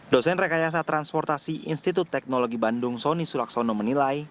dosen rekayasa transportasi institut teknologi bandung soni sulaksono menilai